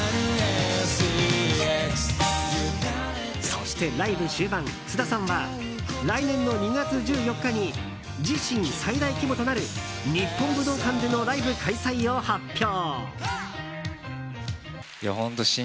そして、ライブ終盤菅田さんは来年の２月１４日に自身最大規模となる日本武道館でのライブ開催を発表。